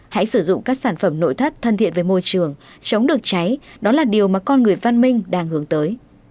hãy sử dụng các sản phẩm nội thất thân thiện với môi trường chống được cháy đó là điều mà con người văn minh đang hướng tới